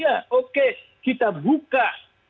ya oke kita buka